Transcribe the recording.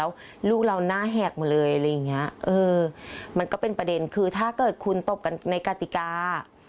แล้วลูกเราหน้าแหกหมดเลยอะไรอย่างเงี้ยเออมันก็เป็นประเด็นคือถ้าเกิดคุณตบกันในกติกา